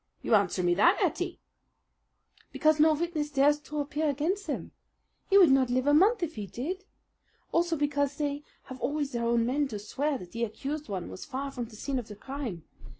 You answer me that, Ettie!" "Because no witness dares to appear against them. He would not live a month if he did. Also because they have always their own men to swear that the accused one was far from the scene of the crime.